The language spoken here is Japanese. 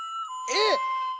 えっ！